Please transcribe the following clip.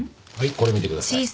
これ見てください。